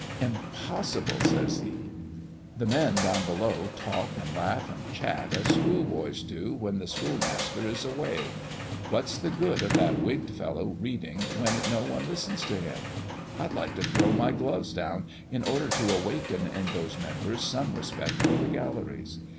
"Impossible!" says he. "The men down below talk and laugh and chat as schoolboys do when the schoolmaster is away. What's the good of that wigged fellow reading when no one listens to him? I'd like to throw my gloves down in order to awaken in those members some respect for the galleries.